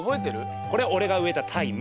これ俺が植えたタイム。